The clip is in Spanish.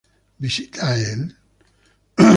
¿Visita él?